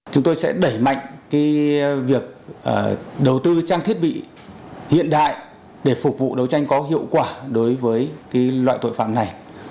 chúng tôi sẽ đẩy mạnh việc đầu tư trang thiết bị hiện đại để phục vụ đấu tranh có hiệu quả đối với loại tội phạm này